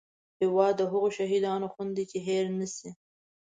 هیواد د هغو شهیدانو خون دی چې هېر نه شي